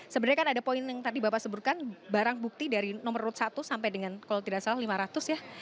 sebenarnya kan ada poin yang tadi bapak sebutkan barang bukti dari nomor urut satu sampai dengan kalau tidak salah lima ratus ya